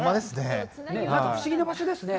不思議な場所ですね。